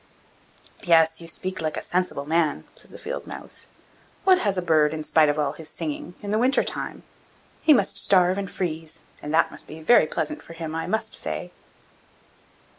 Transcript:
'Yes, you speak like a sensible man,' said the field mouse. 'What has a bird, in spite of all his singing, in the winter time? He must starve and freeze, and that must be very pleasant for him, I must say!